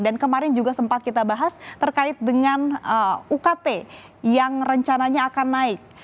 dan kemarin juga sempat kita bahas terkait dengan ukt yang rencananya akan naik